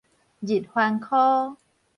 日環箍